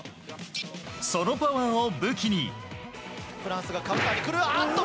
そのパワーを武器に。